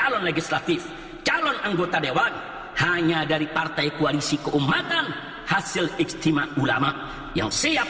calon legislatif calon anggota dewan hanya dari partai koalisi keumatan hasil istimewa ulama yang siap